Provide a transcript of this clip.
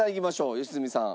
良純さん。